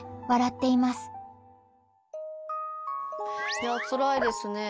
いやつらいですね。